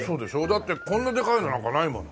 だってこんなでかいのなんかないもの。